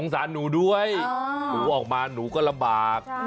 สารหนูด้วยหนูออกมาหนูก็ลำบาก